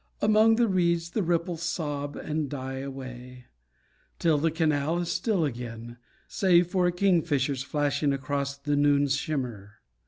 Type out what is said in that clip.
Among the reeds the ripples sob, And die away, 'Till the canal is still again, save For a kingfisher's flashing Across the noon shimmer.